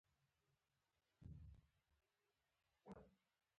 غاښونه د وینې جریان ته هم ګټه رسوي.